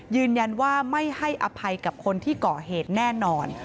ยืนยันว่าไม่ให้อภัยกับคนที่ก่อเหตุแน่นอน